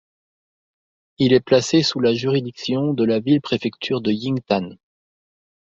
Il est placé sous la juridiction de la ville-préfecture de Yingtan.